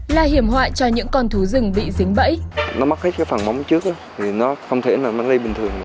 là hiểm họa cho những con thú rừng bị dính bẫy